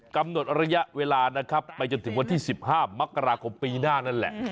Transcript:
กำหนดระยะเวลานะครับไปจนถึงวันที่๑๕มกราคมปีหน้านั่นแหละ